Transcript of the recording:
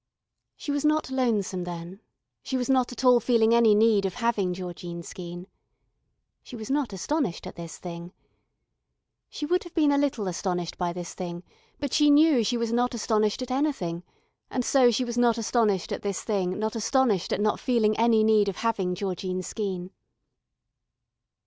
She was not lonesome then, she was not at all feeling any need of having Georgine Skeene. She was not astonished at this thing. She would have been a little astonished by this thing but she knew she was not astonished at anything and so she was not astonished at this thing not astonished at not feeling any need of having Georgine Skeene.